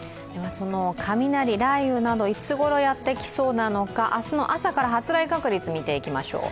その雷、雷雨などいつごろやってきそうなのか、明日の朝から発雷確率、見ていきましょう。